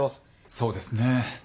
そうですね。